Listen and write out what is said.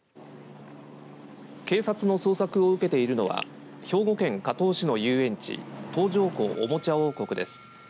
警察の捜索を受けているのは兵庫県加東市の遊園地東条湖おもちゃ王国です。